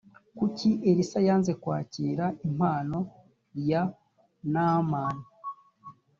kuki elisa yanze kwakira impano ya naamani